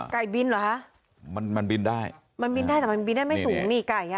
บินเหรอคะมันมันบินได้มันบินได้แต่มันบินได้ไม่สูงนี่ไก่อ่ะ